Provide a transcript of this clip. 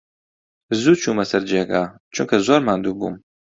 زوو چوومە سەر جێگا، چونکە زۆر ماندوو بووم.